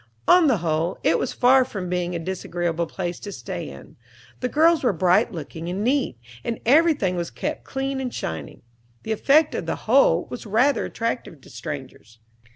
On the whole, it was far from being a disagreeable place to stay in. The girls were bright looking and neat, and everything was kept clean and shining. The effect of the whole was rather attractive to strangers.